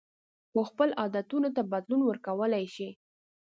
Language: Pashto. خو خپلو عادتونو ته بدلون ورکولی شئ.